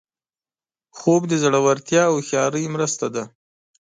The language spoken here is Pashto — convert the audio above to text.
خوب د زړورتیا او هوښیارۍ مرسته ده